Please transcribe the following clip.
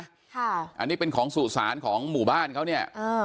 ค่ะอันนี้เป็นของสุสานของหมู่บ้านเขาเนี่ยอ่า